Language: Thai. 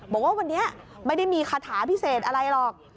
บอกว่าวันนี้ไม่ได้มีคาถาพิเศษอะไรหรอก